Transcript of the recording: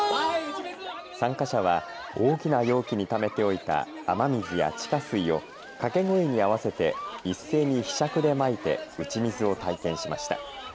参加者は大きな容器にためておいた雨水や地下水を掛け声に合わせて一斉にひしゃくでまいて打ち水を体験しました。